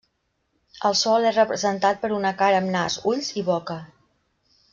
El sol és representat per una cara amb nas, ulls i boca.